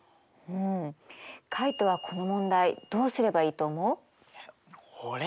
うんカイトはこの問題どうすればいいと思う？